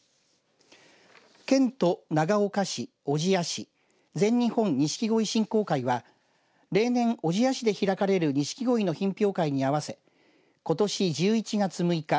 県と長岡市小千谷市全日本錦鯉振興会は例年、小千谷市で開かれるニシキゴイの品評会に合わせことし１１月６日